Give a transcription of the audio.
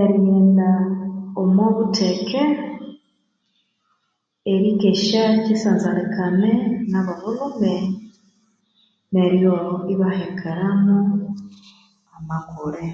Erighenda omwa butheke, erikesya kyisanzalikane nabobulhume neryo ibahekeramu amakule.